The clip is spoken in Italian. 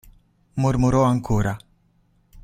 Mormorò ancora